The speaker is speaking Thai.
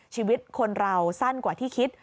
ชีวิตคนเราสั้นกว่าที่คิด